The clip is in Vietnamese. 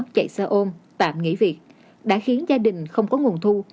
chạy xe ôm tạm nghỉ việc đã khiến gia đình không có nguồn thu